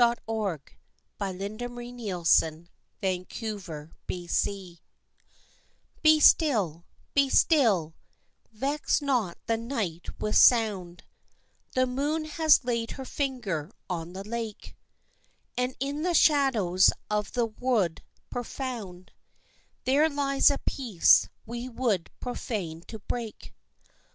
Ah, Love, stir not nor speak. XXX Be Still Be still, be still, vex not the night with sound, The moon has laid her finger on the lake, And in the shadows of the wood profound There lies a peace we would profane to break.